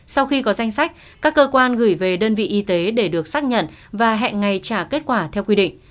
sau khi có danh sách các cơ quan gửi về đơn vị y tế để được xác nhận và hẹn ngày trả kết quả theo quy định